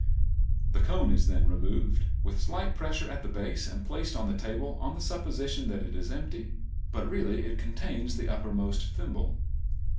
The cone is then removed, with slight pressure at the base, and placed on the table on the supposition that it is empty, but it really contains the uppermost thimble.